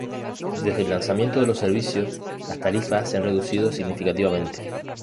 Desde el lanzamiento de los servicios, las tarifas se han reducido significativamente.